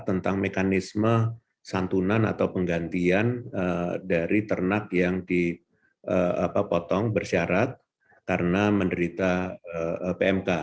tentang mekanisme santunan atau penggantian dari ternak yang dipotong bersyarat karena menderita pmk